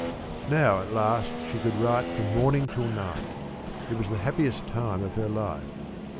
Now, at last, she could write from morning till night. It was the happiest time of her life.